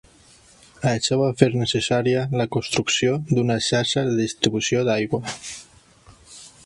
Això va fer necessària la construcció d'una xarxa de distribució d'aigua.